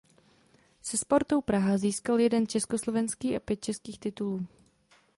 Se Spartou Praha získal jeden československý a pět českých titulů.